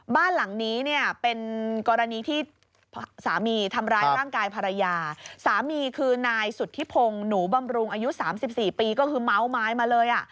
บ้านหลังนี้เนี่ยเป็นกรณีที่สามีทำร้ายร่างกายภรรยาสามีคือนายสุธิพงศ์หนูบำรุงอายุ๓๔ปีก็คือเมาไม้มาเลยอ่ะ